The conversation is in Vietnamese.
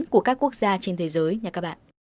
của các quốc gia trên thế giới như các bạn